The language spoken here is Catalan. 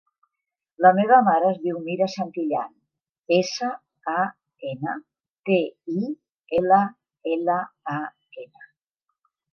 La meva mare es diu Mira Santillan: essa, a, ena, te, i, ela, ela, a, ena.